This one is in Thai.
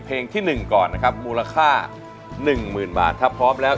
เพลงที่๑ก่อนนะครับมูลค่า๑๐๐๐บาทถ้าพร้อมแล้ว